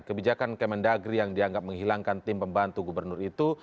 kebijakan kemendagri yang dianggap menghilangkan tim pembantu gubernur itu